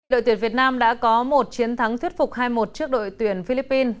đội tuyển việt nam đã có một chiến thắng thuyết phục hai một trước đội tuyển philippines